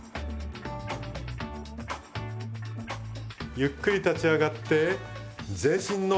ゆっくり立ち上がって全身のストレッチ。